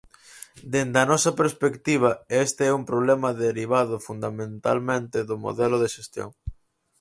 Dende a nosa perspectiva, este é un problema derivado fundamentalmente do modelo de xestión.